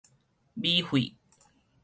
米血